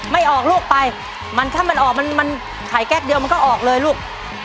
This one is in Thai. ไม่ออกลูกไปมันถ้ามันออกมันมันขายแก๊กเดียวมันก็ออกเลยลูก